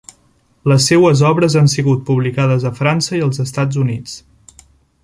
Les seues obres han sigut publicades a França i els Estats Units.